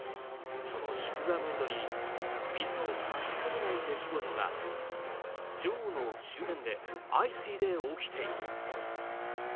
その祝賀ムードに水を差しかねない出来事が女王の周辺で相次いで起きている。